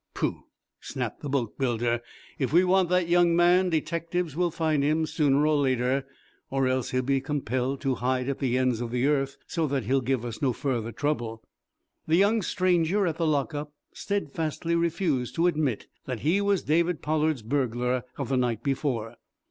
"Pooh!" snapped the boatbuilder. "If we want that young man, detectives will find him sooner or later. Or else, he'll be compelled to hide at the ends of the earth, so that he'll give us no further trouble." The young stranger at the lock up steadfastly refused to admit that he was David Pollard's burglar of the night before.